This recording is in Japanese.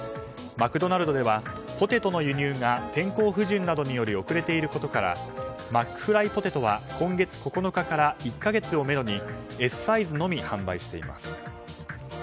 マクドナルドではポテトの輸入が天候不順などにより遅れていることからマックフライポテトは今月９日から１か月をめどにＳサイズのみ販売しています。